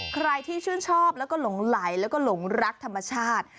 ใครที่ชื่นชอบแล้วก็หลงไหลแล้วก็หลงรักธรรมชาติ